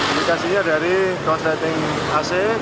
indikasinya dari konsultasi kc